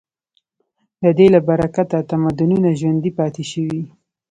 د دې له برکته تمدنونه ژوندي پاتې شوي.